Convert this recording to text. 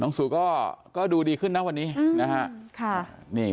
น้องสู่ก็ดูดีขึ้นนะวันนี้